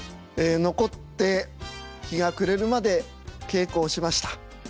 残って日が暮れるまで稽古をしました。